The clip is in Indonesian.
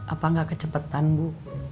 apa gak kecepetan bu